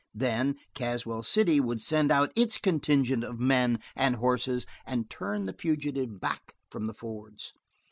Then Caswell City would send out its contingent of men and horses, and turn the fugitive back from the fords.